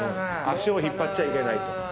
足を引っ張っちゃいけないと。